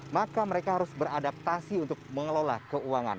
maka mereka harus beradaptasi untuk mengelola keuangan